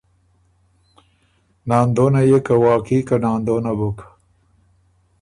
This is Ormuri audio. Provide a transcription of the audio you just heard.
ناندونه يې واقعي که ناندونه بُک،